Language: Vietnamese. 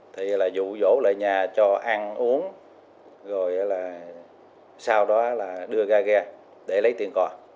thì là dụ dỗ lại nhà cho ăn uống rồi là sau đó là đưa ra ghe để lấy tiền cò